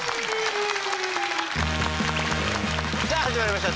さあ始まりました